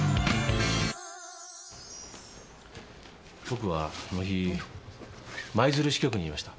僕はあの日舞鶴支局にいました。